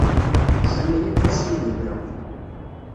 Sami ad d-yas yid-nteɣ.